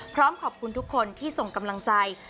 พร้อมขอบคุณทุกคนที่ส่งกำลังใจ